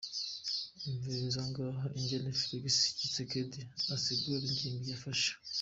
Umviriza ngaha ingene Felix Tshisekedi asigura ingingo yafashe.